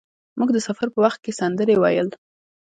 موږ د سفر په وخت کې سندرې ویل.